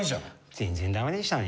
全然ダメでしたね。